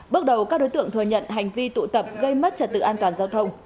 bước đầu các đối tượng thừa nhận hành vi tụ tập gây mất trật tự an toàn giao thông